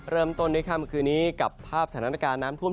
เริ่มต้นด้วยค่าเมื่อคืนนี้เลยกับภาพสถานการณ์น้ำทวม